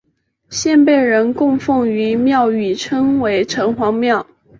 现被人供奉于庙宇称为城隍庙。